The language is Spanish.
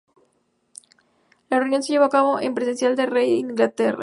La reunión se llevó a cabo en presencia del rey de Inglaterra.